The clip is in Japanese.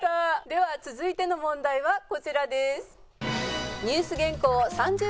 では続いての問題はこちらです。